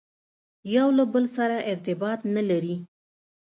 یو له بل سره ارتباط نه لري.